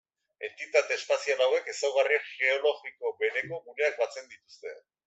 Entitate espazial hauek ezaugarri geologiko bereko guneak batzen dituzte.